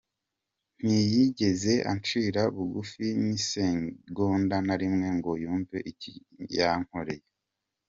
ntiyigeze ancira bugufi n’isegonda narimwe ngo yumve ikibi yankoreye.